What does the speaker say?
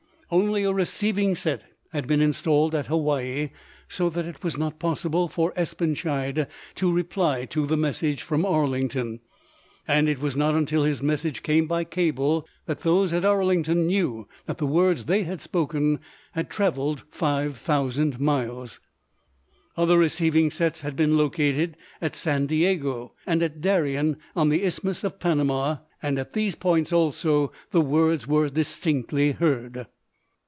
Only a receiving set had been installed at Hawaii, so that it was not possible for Espenschied to reply to the message from Arlington, and it was not until his message came by cable that those at Arlington knew that the words they had spoken had traveled five thousand miles. Other receiving sets had been located at San Diego and at Darien on the Isthmus of Panama, and at these points also the words were distinctly heard.